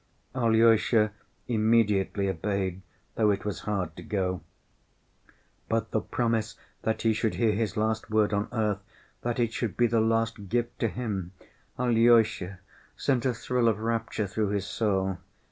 Alyosha immediately obeyed, though it was hard to go. But the promise that he should hear his last word on earth, that it should be the last gift to him, Alyosha, sent a thrill of rapture through his soul.